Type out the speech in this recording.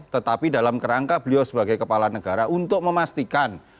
tetapi dalam kerangka beliau sebagai kepala negara untuk memastikan